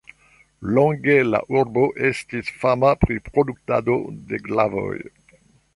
Longe la urbo estis fama pri produktado de glavoj.